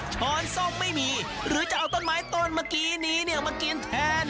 ช้อนส้มไม่มีหรือจะเอาต้นไม้ต้นเมื่อกี้นี้มากินแทน